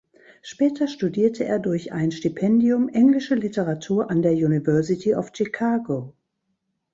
Später studierte er durch ein Stipendium Englische Literatur an der University of Chicago.